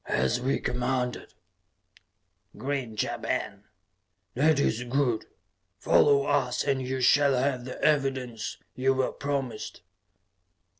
"As we commanded," grinned Ja Ben. "That is good. Follow us and you shall have the evidence you were promised."